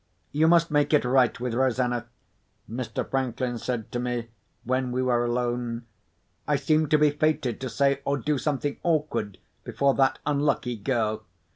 "You must make it right with Rosanna," Mr. Franklin said to me, when we were alone. "I seem to be fated to say or do something awkward, before that unlucky girl.